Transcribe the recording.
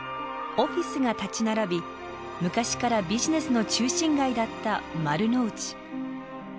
オフィスが立ち並び昔からビジネスの中心街だった丸の内。